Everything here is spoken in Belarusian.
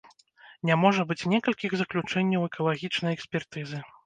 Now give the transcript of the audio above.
Не можа быць некалькіх заключэнняў экалагічнай экспертызы.